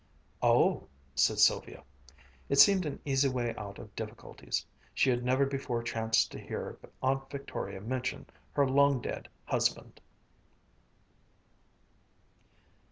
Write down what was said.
"Oh," said Sylvia. It seemed an easy way out of difficulties. She had never before chanced to hear Aunt Victoria mention her long dead husband.